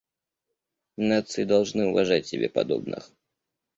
Нации должны уважать себе подобных.